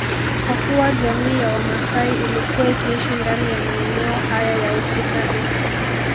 Kwa kuwa jamii ya wamaasai ilikuwa ikiishi ndani ya maeneo haya ya uhifadhi